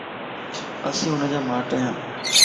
اسين ھنجا ماٽ ايا